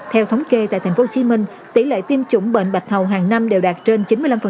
theo thống kê tại tp hcm tỷ lệ tiêm chủng bệnh bạch hầu hàng năm đều đạt trên chín mươi năm